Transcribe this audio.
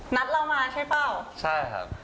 นัดเรามาใช่เปล่าใช่ครับ